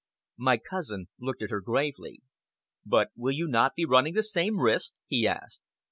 My cousin looked at her gravely. "But will you not be running the same risk?" he asked.